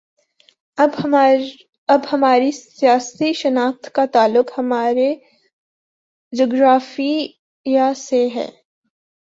اب ہماری سیاسی شناخت کا تعلق ہمارے جغرافیے سے ہے۔